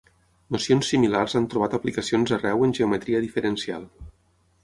Nocions similars han trobat aplicacions arreu en geometria diferencial.